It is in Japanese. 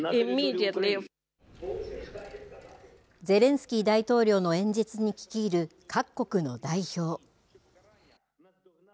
ゼレンスキー大統領の演説に聞き入る各国の代表。